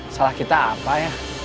salah kita apa ya